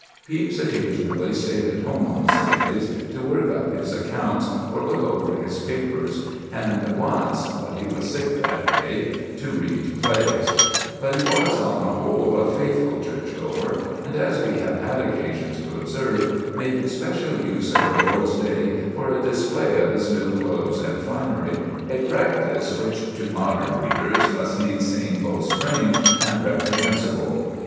Pepys occasionally stayed at home on Sundays to work up his accounts, or look over his papers, and once (but he was sick that day) to read plays; but he was, on the whole, a faithful church goer, and, as we have had occasion to observe, made special use of the Lord's Day for a display of his new clothes and finery, a practice which to modern readers must needs seem both strange and reprehensible.